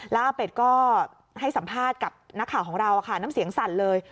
แล้วอาเป็ดก็ให้สัมภาษณ์กับนักข่าวของเราน้ำเสียงสั่นเลย